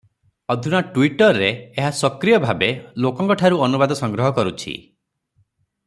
ଅଧୁନା ଟୁଇଟରରରେ ଏହା ସକ୍ରିୟ ଭାବେ ଲୋକଙ୍କଠାରୁ ଅନୁବାଦ ସଂଗ୍ରହ କରୁଛି ।